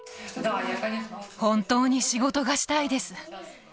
本当に仕事がしたいです。